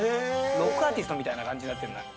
ロックアーティストみたいな感じになってるから。